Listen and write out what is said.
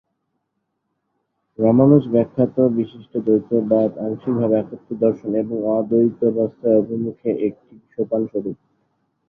রামানুজ-ব্যাখ্যাত বিশিষ্টাদ্বৈতবাদ আংশিকভাবে একত্ব-দর্শন, এবং অদ্বৈতাবস্থার অভিমুখে একটি সোপানস্বরূপ।